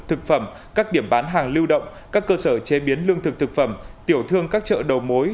thực phẩm các điểm bán hàng lưu động các cơ sở chế biến lương thực thực phẩm tiểu thương các chợ đầu mối